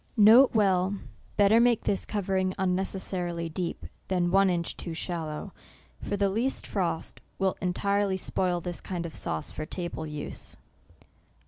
N. B* Better make this covering unneces sarily deep, than one inch too shallow ; for the least frost will entirely spoil this kind of sauce for table use.